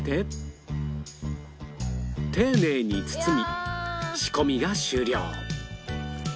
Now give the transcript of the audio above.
丁寧に包み仕込みが終了